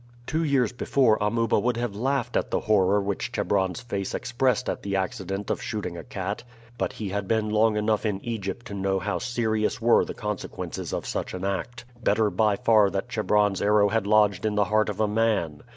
Two years before Amuba would have laughed at the horror which Chebron's face expressed at the accident of shooting a cat, but he had been long enough in Egypt to know how serious were the consequences of such an act. Better by far that Chebron's arrow had lodged in the heart of a man.